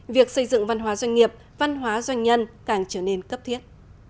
việc xây dựng văn hóa doanh nghiệp văn hóa doanh nhân càng trở nên cấp thiết